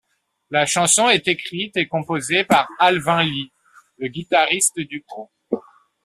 La chanson est écrite et composé par Alvin Lee, le guitariste du groupe.